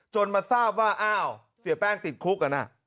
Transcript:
มาทราบว่าอ้าวเสียแป้งติดคุกกัน